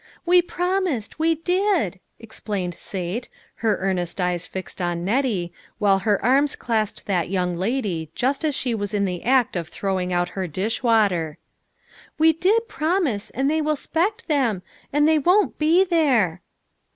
" We promised, we did," explained Sate, her earnest eyes fixed on Nettie, while her arms clasped that young lady just as she was in the act of throwing out her dishwater. "We did promise, and they will 'spect them, and they won't be there."